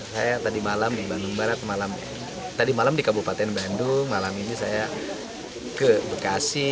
saya tadi malam di bandung barat malam tadi malam di kabupaten bandung malam ini saya ke bekasi